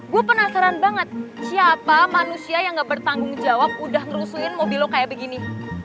gue penasaran banget siapa manusia yang gak bertanggung jawab udah ngerusuin mobil lo kayak begini